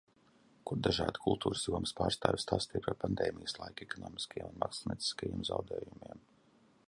Kur dažādi kultūras jomas pārstāvji stāstīja par Pandēmijas laika ekonomiskajiem un mākslinieciskajiem zaudējumiem.